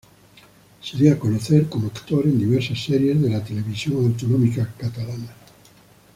Se dio a conocer como actor en diversas series de la televisión autonómica catalana.